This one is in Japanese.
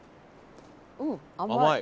うん甘い。